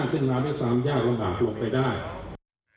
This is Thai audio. ที่เขาสร้างขึ้นมาด้วยความยากลำบากลงไปได้